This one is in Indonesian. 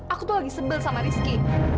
aku tuh lagi sebel sama rizky